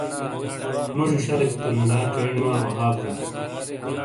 موجی شلیک تو نلا چینڈ وا وہاب زا۔